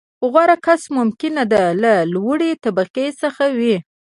• غوره کس ممکنه ده، له لوړې طبقې څخه وي.